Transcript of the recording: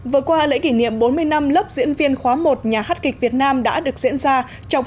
vừa qua lễ kỷ niệm bốn mươi năm lớp diễn viên khóa một nhà hát kịch việt nam đã được diễn ra trong